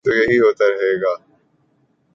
تو یہی ہو تا رہے گا۔